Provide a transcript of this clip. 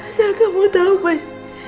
asal kamu tau mas